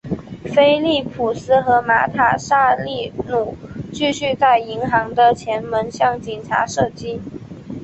菲利普斯和马塔萨利努继续在银行的前门向警察射击。